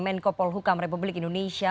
menko polhukam republik indonesia